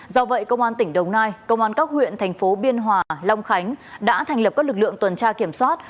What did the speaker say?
do vậy công an tỉnh đồng nai công an các huyện thành phố biên hòa long khánh đã thành lập các lực lượng tuần tra kiểm soát